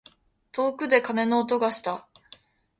遠くで鐘の音がした。